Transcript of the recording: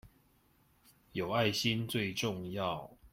有愛心最重要